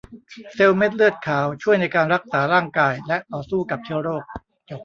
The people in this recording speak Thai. เซลล์เม็ดเลือดขาวช่วยในการรักษาร่างกายและต่อสู้กับเชื้อโรค